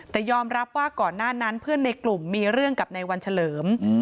แต่ยอมรับว่าก่อนหน้านั้นเพื่อนในกลุ่มมีเรื่องกับในวันเฉลิม